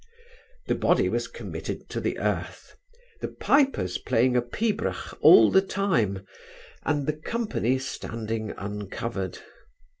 The body was committed to the earth, the pipers playing a pibroch all the time; and all the company standing uncovered.